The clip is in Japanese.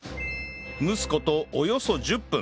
蒸す事およそ１０分